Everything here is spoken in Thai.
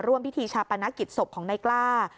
พิธีชาปนกิจศพของนายกล้า